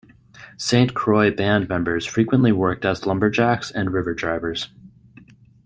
Saint Croix Band members frequently worked as lubmerjacks and river drivers.